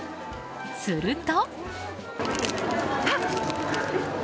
すると。